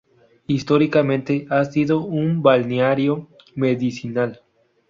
Históricamente, ha sido un balneario medicinal.